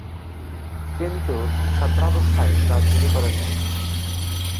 কিন্তু ছাত্রাবস্থায় রাজনীতি করেন নাই।